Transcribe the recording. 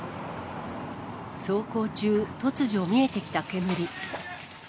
走行中、突如見えてきた煙。